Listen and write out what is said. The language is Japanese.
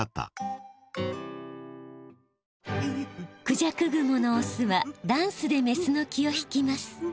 クジャクグモのオスはダンスでメスの気を引きます。